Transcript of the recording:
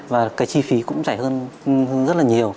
và cái chi phí cũng rẻ hơn rất là nhiều